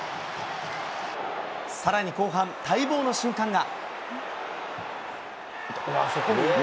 さらに後半、待望の瞬間が。